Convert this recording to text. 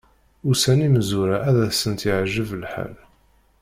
Ussan imezwura ad asent-yeɛǧeb lḥal.